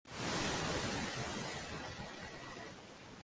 Ko‘z bilan ko‘rgan eshitgandan afzalroqdir.